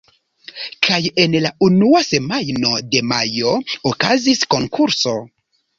Kaj en la unua semajno de majo okazis konkurso.